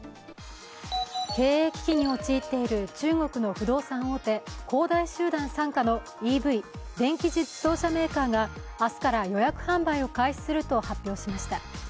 経営危機に陥っている中国の不動産大手、恒大集団傘下のＥＶ＝電気自動車メーカーが明日から予約販売を開始すると発表しました。